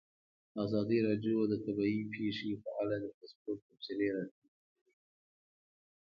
ازادي راډیو د طبیعي پېښې په اړه د فیسبوک تبصرې راټولې کړي.